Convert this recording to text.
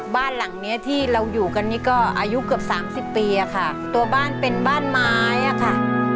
บ้านหลังเนี้ยที่เราอยู่กันนี่ก็อายุเกือบสามสิบปีอะค่ะตัวบ้านเป็นบ้านไม้อะค่ะ